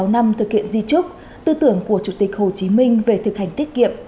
sáu năm thực hiện di trúc tư tưởng của chủ tịch hồ chí minh về thực hành tiết kiệm